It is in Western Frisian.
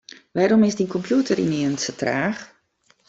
Wêrom is dyn kompjûter ynienen sa traach?